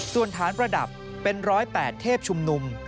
ส่วนฐานประดับเป็น๑๐๘เทพชุมนุม